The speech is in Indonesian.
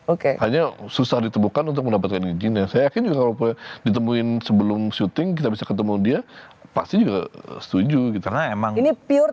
oke hanya susah ditemukan untuk mendapatkan kebijinan saya yakin kalau ditemuin sebelum shooting kita bisa ketemu dia pasti juga setuju karena emang ini pure